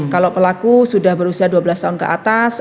kalau pelaku sudah berusia dua belas tahun ke atas